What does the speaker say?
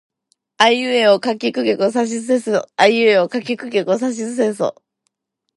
あいうえおかきくけこさしすせそあいうえおかきくけこさしすせそ